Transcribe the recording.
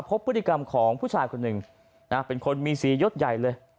พบพฤติกรรมของผู้ชายคนหนึ่งนะเป็นคนมีสียศใหญ่เลย